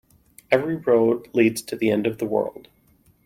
Every road leads to the end of the world.